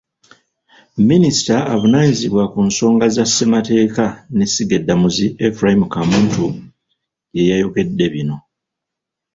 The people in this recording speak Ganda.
Minisita avunaanyizibwa ku nsonga za ssemateeka n'essiga eddamuzi, Ephraim Kamuntu ye yayogedde bino.